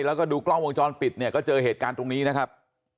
แล้วก็ดูกล้องวงจรปิดเนี่ยก็เจอเหตุการณ์ตรงนี้นะครับ